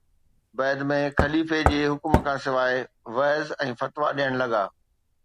بعد ۾ خليفي جي حڪم کان سواءِ وعظ ۽ فتوا ڏيڻ لڳا